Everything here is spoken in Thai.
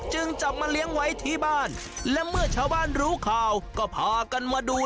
จึงจับมาเลี้ยงไว้ที่บ้านและเมื่อชาวบ้านรู้ข่าวก็พากันมาดู